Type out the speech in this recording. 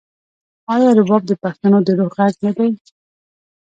آیا رباب د پښتنو د روح غږ نه دی؟